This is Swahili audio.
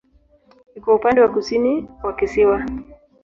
Iko upande wa kusini wa kisiwa.